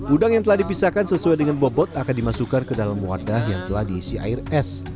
udang yang telah dipisahkan sesuai dengan bobot akan dimasukkan ke dalam wadah yang telah diisi air es